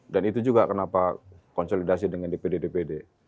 dan itu juga kenapa konsolidasi dengan dpd dpd